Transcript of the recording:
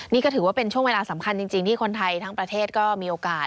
นี่ก็ถือว่าเป็นช่วงเวลาสำคัญจริงที่คนไทยทั้งประเทศก็มีโอกาส